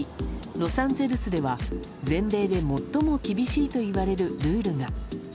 ロサンゼルスでは全米で最も厳しいといわれるルールが。